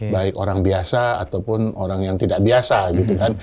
baik orang biasa ataupun orang yang tidak biasa gitu kan